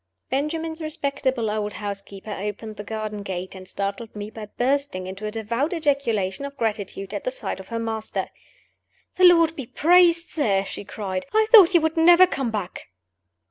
Benjamin's respectable old housekeeper opened the garden gate, and startled me by bursting into a devout ejaculation of gratitude at the sight of her master. "The Lord be praised, sir!" she cried; "I thought you would never come back!"